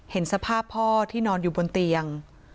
เห็นสภาพพ่อที่นอนอยู่บนเตียง